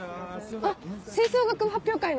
あっ吹奏楽発表会の！